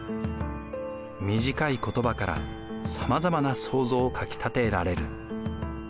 短い言葉からさまざまな想像をかきたてられる。